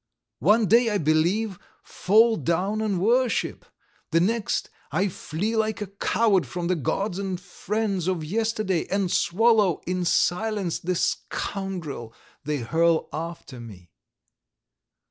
One day I believe, fall down and worship, the next I flee like a coward from the gods and friends of yesterday, and swallow in silence the 'scoundrel!' they hurl after me.